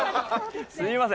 すいません。